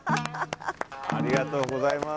ありがとうございます。